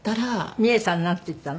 ミエさんなんて言ったの？